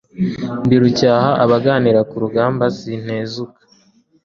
ndi rucyaha abaganira, ku rugamba sintezuka.